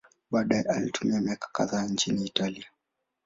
Baadaye alitumia miaka kadhaa nchini Italia.